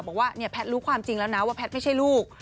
บอกว่าเนี่ยแพทย์รู้ความจริงแล้วนะว่าแพทย์ไม่ใช่ลูก